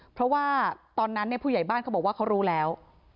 เพราะว่าตอนนั้นผู้ใหญ่บ้านเขาบอกว่าเขารู้แล้ว